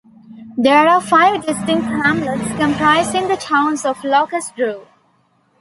There are five distinct hamlets comprising the town of Locust Grove.